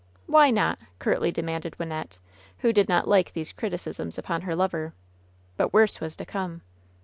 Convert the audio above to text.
, "Why not V^ curtly demanded Wynnette, who did not like these criticisms upon her lover. But worse was to come.